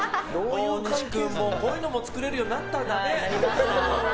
大西君、こういうのも作れるようになったんだね。